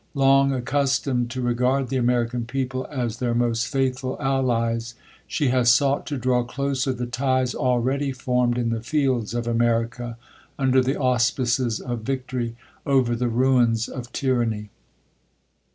Long accustomed to regard the American people as their most faithful allies, she has sought to draw closer the ties already formed in the fields of America, under the auspices of victory over the ruins of tyranny.